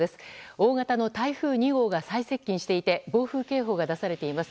大型の台風２号が最接近していて暴風警報が出されています。